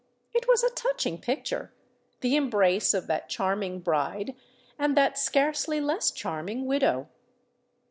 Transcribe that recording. It was a touching picture,—the embrace of that charming bride and that scarcely less charming widow!